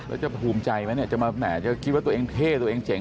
แล้วจะภูมิใจไหมเนี่ยจะมาแหมจะคิดว่าตัวเองเท่ตัวเองเจ๋ง